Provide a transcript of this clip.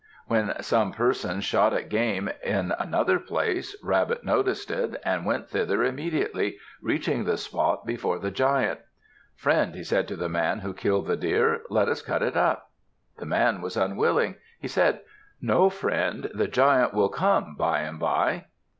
When some persons shot at game in another place Rabbit noticed it, and went thither immediately, reaching the spot before the Giant. "Friend," he said to the man who had killed the deer, "let us cut it up." The man was unwilling. He said, "No, friend, the Giant will come by and by."